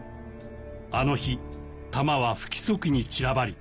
あの日弾は不規則に散らばり